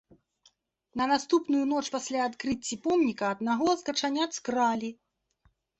На наступную ноч пасля адкрыцці помніка аднаго з качанят скралі.